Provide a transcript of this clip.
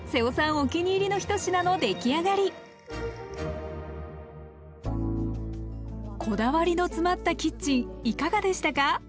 お気に入りの一品の出来上がりこだわりの詰まったキッチンいかがでしたか？